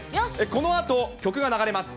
このあと曲が流れます。